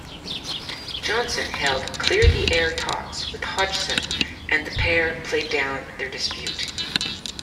Johnson held clear-the-air talks with Hodgson and the pair played down their dispute.